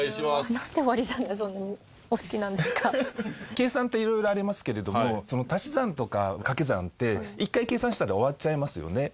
計算って色々ありますけれども足し算とか掛け算って一回計算したら終わっちゃいますよね。